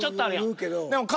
言うけど。